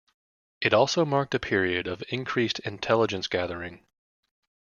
It also marked a period of increased intelligence gathering.